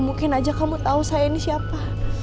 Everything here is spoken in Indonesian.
mungkin aja kamu tahu saya ini siapa